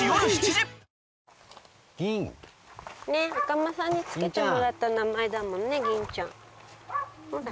赤間さんに付けてもらった名前だもんねぎんちゃん。